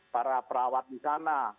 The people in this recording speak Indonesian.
para perawat di sana